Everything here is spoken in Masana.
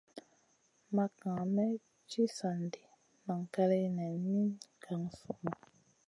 Makŋa may ci sa ɗi nan kaleya nen min gangsunu.